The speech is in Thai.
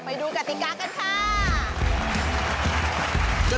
ไปดูกติกากันค่ะ